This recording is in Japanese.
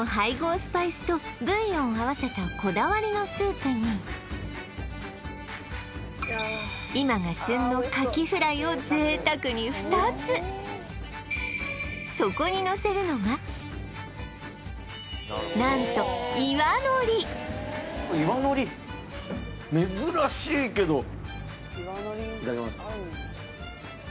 スパイスとブイヨンを合わせたこだわりのスープに今が旬のカキフライを贅沢に２つのせるのが何とけどいただきます